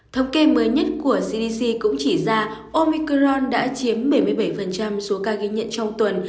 thống kê mới nhất của cdc cũng chỉ ra omicron đã chiếm bảy mươi bảy số ca ghi nhận trong tuần